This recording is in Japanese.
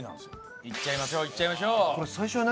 いっちゃいましょういっちゃいましょう。